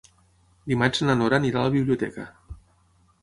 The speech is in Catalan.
Dimarts na Nora anirà a la biblioteca.